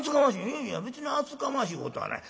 「いやいや別に厚かましいことはない。